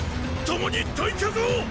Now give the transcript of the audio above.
共に退却を！